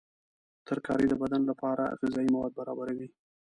ترکاري د بدن لپاره غذایي مواد برابروي.